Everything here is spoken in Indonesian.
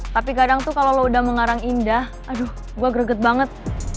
tapi kadang tuh kalau lo udah mengarang indah aduh gue greget banget